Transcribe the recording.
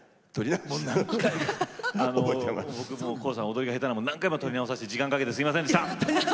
踊りが下手なもので何回も撮り直させて時間かけてすみませんでした。